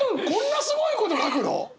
こんなすごいこと書くの？